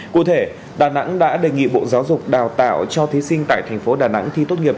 cụ thể đà nẵng đã đề nghị bộ giáo dục đào tạo cho thí sinh tại thành phố đà nẵng thi tốt nghiệp